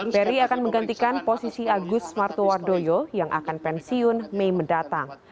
peri akan menggantikan posisi agus martowardoyo yang akan pensiun mei mendatang